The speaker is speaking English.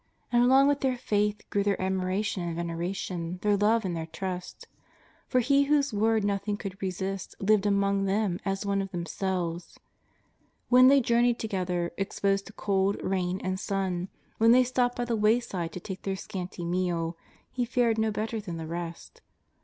And along with their faith grew their admiration and veneration, their love and their trust. For He wliose word nothing could resist lived among them as one of themselves. When they journeyed together, exposed to cold, rain, and sun, wlien they stopped by the wayside to take their scanty meal. He fared no better than the rest.